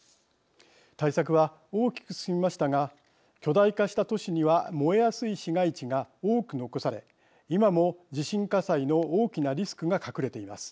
対策は大きく進みましたが巨大化した都市には燃えやすい市街地が多く残され今も地震火災の大きなリスクが隠れています。